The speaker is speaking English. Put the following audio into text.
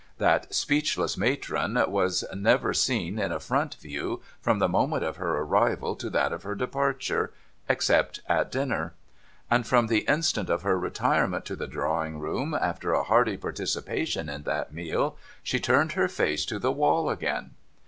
That speechless matron was never seen in a front view, from the moment of her arrival to that of her departure —• except at dinner. And from the instant of her retirement to the drawing room, after a hearty participation in that meal, she turned her face to the wall again.